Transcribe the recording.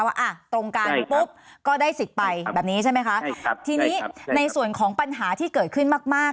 ว่าอ่ะตรงกันปุ๊บก็ได้สิทธิ์ไปแบบนี้ใช่ไหมคะครับทีนี้ในส่วนของปัญหาที่เกิดขึ้นมากมาก